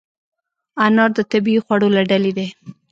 انار د طبیعي خوړو له ډلې دی.